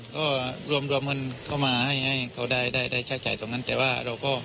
ก็มาด้วยใจทุกคนมาด้วยใจ